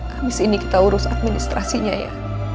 habis ini kita urus administrasinya ya